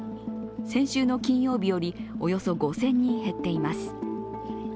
先週の金曜日より、およそ５０００人減っています。